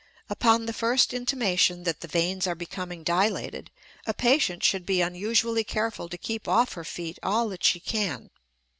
Upon the first intimation that the veins are becoming dilated, a patient should be unusually careful to keep off her feet all that she can.